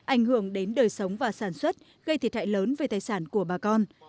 ảnh hưởng đến đời sống và sản xuất gây thiệt hại lớn về tài sản của bà con